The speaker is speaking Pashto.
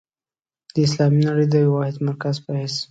د اسلامي نړۍ د یوه واحد مرکز په حیث.